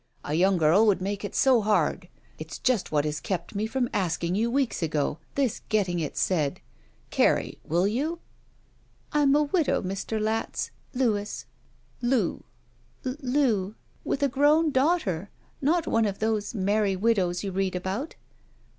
A yotmg girl would make it so hard. It's just what has kept me from asking you weeks ago, this getting it said. Carrie, will you? " "I'm a widow, Mr. Latz — ^Louis —' laow, lYir. uaxz — iajvos —" "L — ^loo. With a grown daughter. Not one of those merry widows you read about."